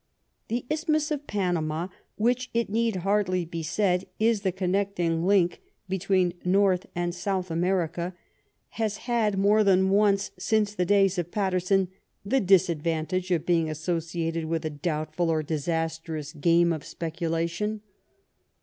The isthmus of Panama, which, it need hardly be said, is the connecting link between North and South America, has had more than once since the days of Paterson the disadvantage of being associated with a doubtful or disastrous game of speculation.